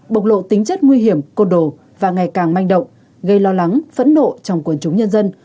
bộc lộ tính chất nguy hiểm côn đồ và ngày càng manh động gây lo lắng phẫn nộ trong quần chúng nhân dân